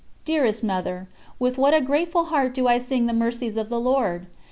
Dearest Mother, with what a grateful heart do I sing "the Mercies of the Lord!"